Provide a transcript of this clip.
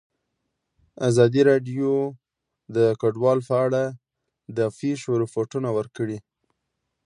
ازادي راډیو د کډوال په اړه د پېښو رپوټونه ورکړي.